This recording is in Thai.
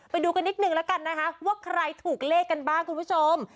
ไปดูกันนิดนึงแล้วกันนะคะว่าใครถูกเลขกันบ้างคุณผู้ชม